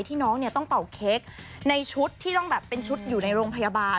น้องเนี่ยต้องเป่าเค้กในชุดที่ต้องแบบเป็นชุดอยู่ในโรงพยาบาล